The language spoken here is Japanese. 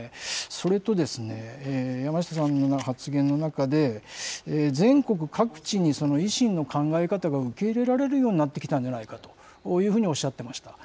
それとですね、山下さんの発言の中で、全国各地に維新の考え方が受け入れられるようになってきたんじゃないかというふうにおっしゃってました。